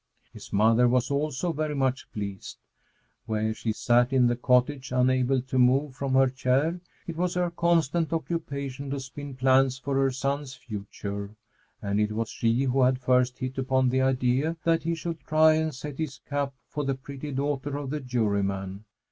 His mother was also very much pleased. Where she sat in the cottage, unable to move from her chair, it was her constant occupation to spin plans for her son's future, and it was she who had first hit upon the idea that he should try and set his cap for the pretty daughter of the Juryman.